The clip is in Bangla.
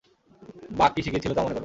বাক কী শিখিয়েছিল তা মনে করো।